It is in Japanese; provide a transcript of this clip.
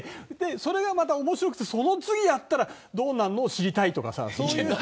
それがまた面白くてその次はどうなるのか知りたいとか。